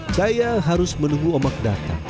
saya harus menunggu omak datang